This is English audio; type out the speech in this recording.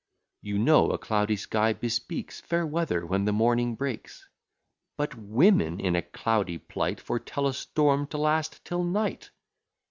You know a cloudy sky bespeaks Fair weather when the morning breaks; But women in a cloudy plight, Foretell a storm to last till night.